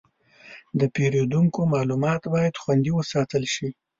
د پیرودونکو معلومات باید خوندي وساتل شي.